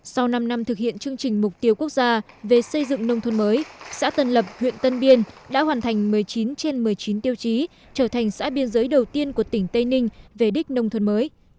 sau năm năm thực hiện chương trình mục tiêu quốc gia về xây dựng nông thôn mới xã tân lập huyện tân biên đã hoàn thành một mươi chín trên một mươi chín tiêu chí trở thành xã biên giới đầu tiên của tỉnh tây ninh về đích nông thôn mới